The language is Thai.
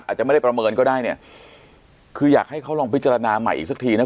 อาจจะไม่ได้ประเมินก็ได้เนี่ยคืออยากให้เขาลองพิจารณาใหม่อีกสักทีนะ